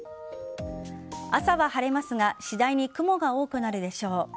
朝は晴れますが次第に雲が多くなるでしょう。